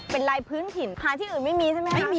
เป็นลายพื้นถิ่นหาที่อื่นไม่มีใช่ไหมคะ